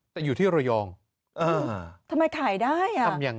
แต่อยู่ที่